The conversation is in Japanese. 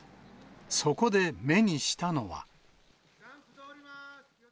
そこで目にしたのは。